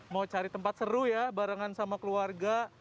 mau cari tempat seru ya barengan sama keluarga